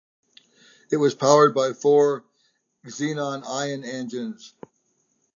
It was powered by four xenon ion engines.